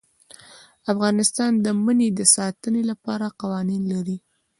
افغانستان د منی د ساتنې لپاره قوانین لري.